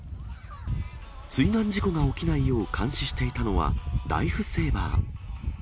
水難事故が起きないよう監視していたのは、ライフセーバー。